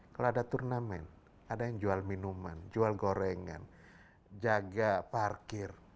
kalau ada turnamen ada yang jual minuman jual gorengan jaga parkir